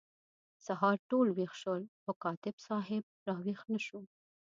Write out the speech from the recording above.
سهار ټول ویښ شول خو کاتب صاحب را ویښ نه شو.